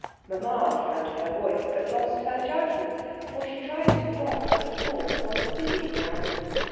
Mamma found her voice, but lost her judgment, for she tried to block the performance on a fibby ground.